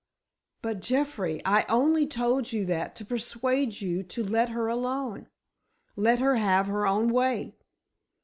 "But, Jeffrey, I only told you that to persuade you to let her alone. Let her have her own way.